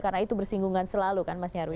karena itu bersinggungan selalu kan mas nyarwi